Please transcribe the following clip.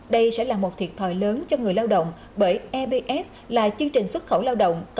đây sẽ là một thiệt thòi lớn cho người lao động bởi ebs là chương trình xuất khẩu lao động